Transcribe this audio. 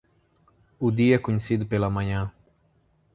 O dia é conhecido pela manhã.